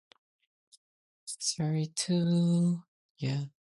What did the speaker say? It is a hybrid grape or inter-specific crossing.